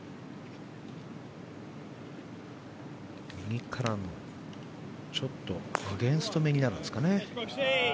右からのちょっとアゲンストめになるんですかね。